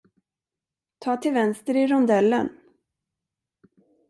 Ta till vänster i rondellen!